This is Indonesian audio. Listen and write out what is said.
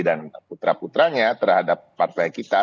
dan putra putranya terhadap partai kita